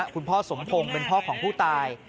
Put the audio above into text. คุณพ่อสมพงศ์เป็นพ่อของผู้ตาย